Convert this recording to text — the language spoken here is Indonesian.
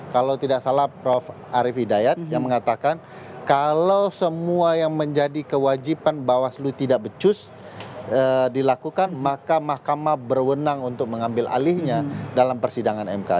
kalau tidak salah prof arief hidayat yang mengatakan kalau semua yang menjadi kewajiban bawaslu tidak becus dilakukan maka mahkamah berwenang untuk mengambil alihnya dalam persidangan mk